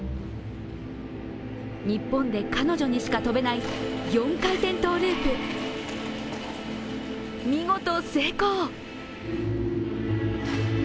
日本で彼女にしか跳べない４回転トゥループ、見事成功。